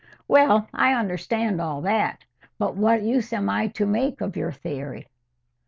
"Well, I understand all that. But what use am I to make of your theory?"